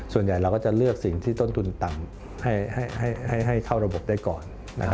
ส่วนใหญ่เราก็จะเลือกสิ่งที่ต้นทุนต่ำให้เข้าระบบได้ก่อน